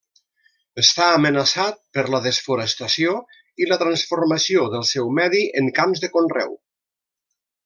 Està amenaçat per la desforestació i la transformació del seu medi en camps de conreu.